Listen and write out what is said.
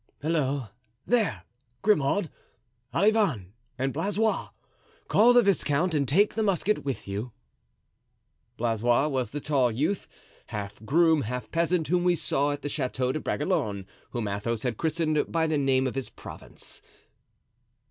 "Halloo, there, Grimaud, Olivain, and Blaisois! call the viscount and take the musket with you." Blaisois was the tall youth, half groom, half peasant, whom we saw at the Chateau de Bragelonne, whom Athos had christened by the name of his province.